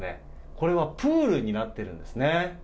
これはプールになってるんですね。